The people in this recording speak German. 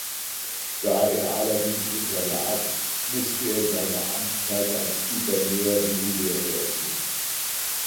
Da er allerdings unterlag, musste er seine Amtszeit als Gouverneur regulär beenden.